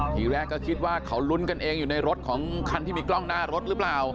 ทีแรกก็คิดว่าเขาลุ้นกันเองอยู่ในรถของคันที่มีกล้องหน้ารถหรือเปล่า